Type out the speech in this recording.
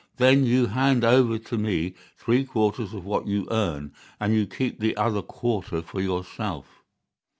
Then you hand over to me three quarters of what you earn, and you keep the other quarter for yourself.